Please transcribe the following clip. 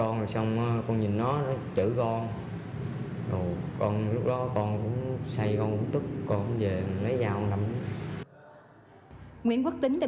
nguyễn quốc tính đã bị đối tượng nguyễn quốc tính sinh năm hai nghìn năm